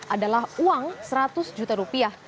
adalah uang seratus juta rupiah